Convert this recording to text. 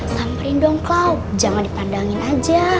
samperin dong cloud jangan dipandangin aja